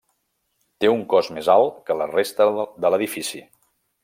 Té un cos més alt que la resta de l'edifici.